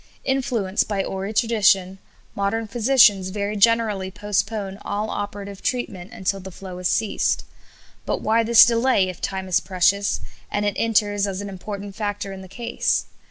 Influenced by hoary tradition, modern physicians very generally postpone all operative treatment until the flow has ceased. But why this delay, if time is precious, and it enters as an important factor in the case?